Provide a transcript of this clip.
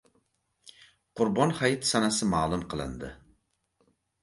Qurbon hayiti sanasi ma’lum qilindi